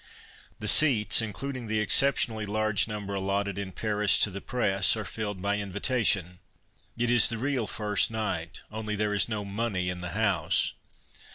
The seats, including the exceptionally large number allotted in Paris to the Press, are filled by invitation. It is the real " first night "; only there is no " money " in the house.